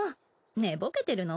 寝ぼけてるの？